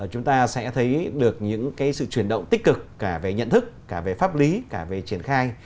chúng ta sẽ thấy được những sự chuyển động tích cực cả về nhận thức cả về pháp lý cả về triển khai